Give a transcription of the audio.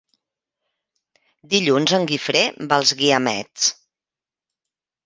Dilluns en Guifré va als Guiamets.